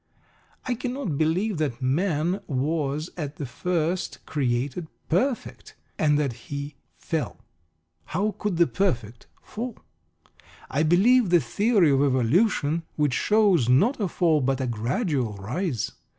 I cannot believe that man was at the first created "perfect," and that he "fell." (How could the perfect fall?) I believe the theory of evolution, which shows not a fall but a gradual rise.